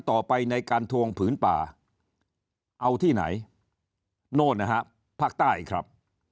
ต่อไปในการทวงผืนป่าเอาที่ไหนโน่นนะฮะภาคใต้ครับ